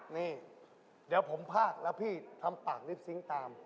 นี่เดี๋ยวผมภาคแล้วพี่ทำปากนิดสิ้งตาม